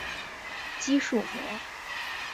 肌束膜。